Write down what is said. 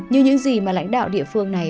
như những gì mà lãnh đạo địa phương này